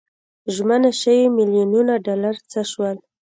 ژمنه شوي میلیونونه ډالر څه شول.